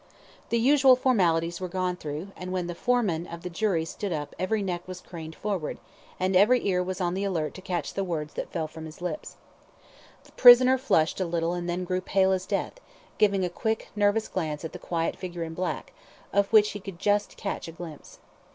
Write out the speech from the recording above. The usual formalities were gone through, and when the foreman of the jury stood up every neck was craned forward, and every ear was on the alert to catch the words that fell from his lips. The prisoner flushed a little and then grew pale as death, giving a quick, nervous glance at the quiet figure in black, of which he could just catch a glimpse.